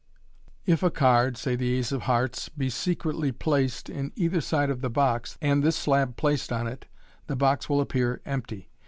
If a card (say the ace of hearts) be secretly placed in either side of the box, and this slab placed on it, the box will appear empty.